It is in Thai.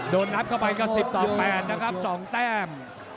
โดนนับเข้าไปก็๑๐ต่อ๘นะครับ๒แต้ม